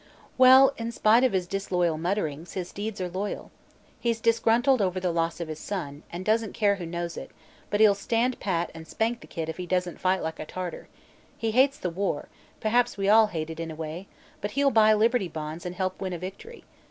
"Well, in spite of his disloyal mutterings, his deeds are loyal. He's disgruntled over the loss of his son, and doesn't care who knows it, but he'll stand pat and spank the kid if he doesn't fight like a tartar. He hates the war perhaps we all hate it, in a way but he'll buy Liberty Bonds and help win a victory.